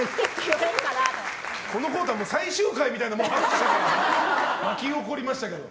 このコーナー、最終回みたいな拍手が巻き起こりましたけど。